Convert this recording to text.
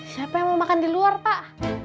siapa yang mau makan di luar pak